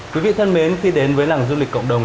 quý vị thân mến khi đến với làng du lịch cộng đồng